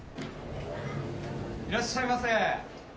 ・いらっしゃいませ。